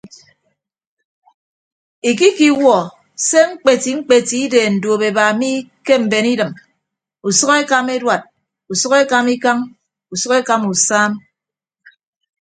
Ikikiwuọ se mkpeti mkpeti ideen duopeba mi ke mben idịm usʌk ekama eduad usʌk ekama ikañ usʌk ekama usam.